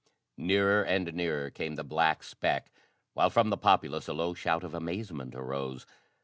Nearer and nearer came the black speck while from the populace a low shout of amazement arose.